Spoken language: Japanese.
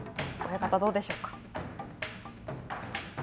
親方、どうでしょうか。